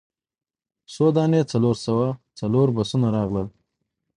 څو دانې څلور سوه څلور بسونه راغلل.